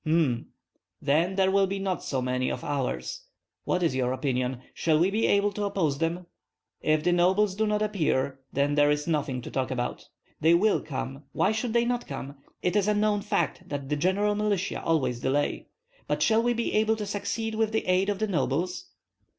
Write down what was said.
"H'm! then there will not be so many of ours. What is your opinion? Shall we be able to oppose them?" "If the nobles do not appear, there is nothing to talk about." "They will come; why should they not come? It is a known fact that the general militia always delay. But shall we be able to succeed with the aid of the nobles?"